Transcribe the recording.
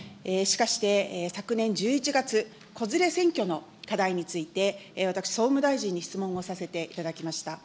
しかし、昨年１１月、子連れ選挙の課題について、私、総務大臣に質問をさせていただきました。